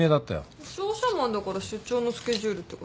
商社マンだから出張のスケジュールってこと？